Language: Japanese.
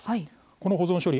この保存処理